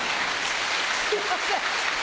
すいません。